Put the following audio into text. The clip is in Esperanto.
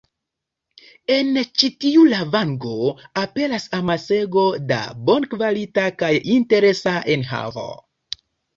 En ĉi tiu lavango aperas amasego da bonkvalita kaj interesa enhavo.